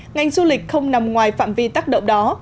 ngành du lịch không nằm ngoài phạm vi tác động đó